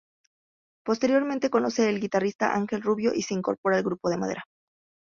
Posteriormente conoce al guitarrista Ángel Rubio y se incorpora al grupo Madera.